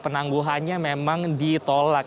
penangguhannya memang ditolak